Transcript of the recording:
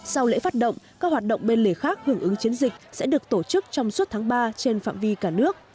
sau lễ phát động các hoạt động bên lề khác hưởng ứng chiến dịch sẽ được tổ chức trong suốt tháng ba trên phạm vi cả nước